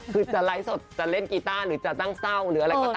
คือจะไลฟ์สดจะเล่นกีต้าหรือจะตั้งเศร้าหรืออะไรก็ตาม